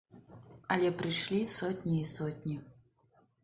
Але прыйшлі сотні і сотні.